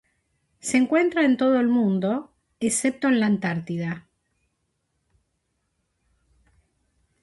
Se encuentra en todo el mundo, excepto en la Antártida.